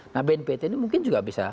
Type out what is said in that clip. nah bnpt ini mungkin juga bisa